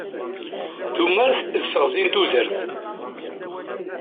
Tumert d teɣzi n tudert.